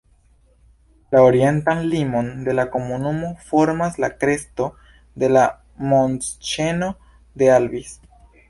La orientan limon de la komunumo formas la kresto de la montĉeno de Albis.